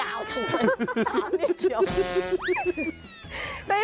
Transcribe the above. ตามนี้เกี่ยว